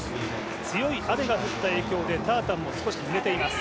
強い雨が降った影響でタータンも少しぬれています。